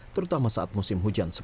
terutama saat musim hujan